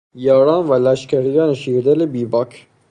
یاران و لشکریان شیردل بیباک